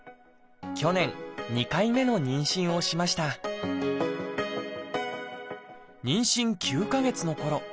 去年２回目の妊娠をしました妊娠９か月のころ